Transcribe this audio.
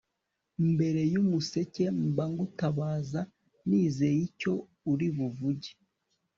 mbere y'umuseke mba ngutabaza nizeye icyo uri buvuge